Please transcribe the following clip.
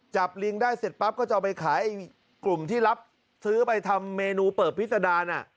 ลิงได้เสร็จปั๊บก็จะเอาไปขายกลุ่มที่รับซื้อไปทำเมนูเปิดพิษดาร